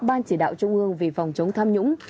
ban chỉ đạo trung ương về phòng chống tham nhũng